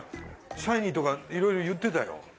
シャイニーとかいろいろ言ってたよ。